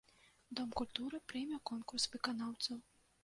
Дом культуры прыме конкурс выканаўцаў.